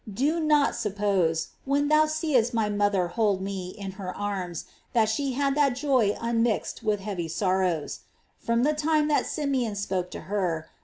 ^ Do not suppose, when thou seest My Mother hold Me in her arms, that she had that joy unmixed with heavy sorrows. From the time that Simeon spoke to her.